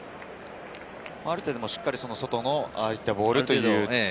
ある程度しっかり外のああいったボールを。